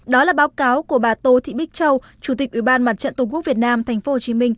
đó là báo cáo của bà tô thị bích châu chủ tịch ủy ban mặt trận tổ quốc việt nam tp hcm